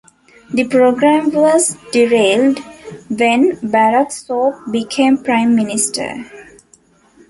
The program was derailed when Barak Sope became Prime Minister.